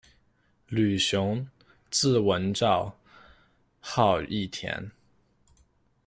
吕熊，字文兆，号逸田。